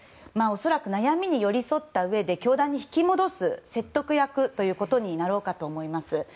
恐らく悩みに寄り添ったうえで教団に引き戻す説得役ということになろうかと思います。